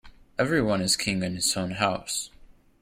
Every one is king in his own house.